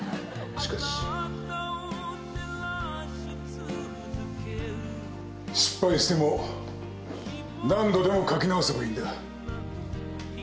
しかし失敗しても何度でも書き直せばいいんだ。